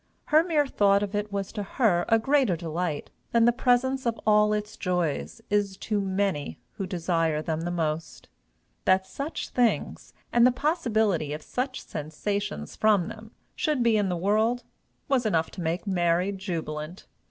Her mere thought of it was to her a greater delight than the presence of all its joys is to many who desire them the most. That such things, and the possibility of such sensations from them, should be in the world, was enough to make Mary jubilant.